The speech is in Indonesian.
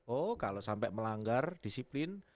oh kalau sampai melanggar disiplin